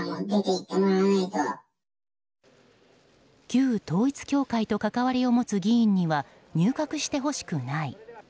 旧統一教会と関わりを持つ議員には入閣してほしくない。